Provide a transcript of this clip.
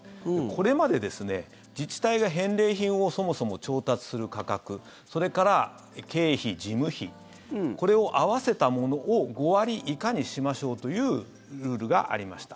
これまで、自治体が返礼品をそもそも調達する価格それから経費、事務費これを合わせたものを５割以下にしましょうというルールがありました。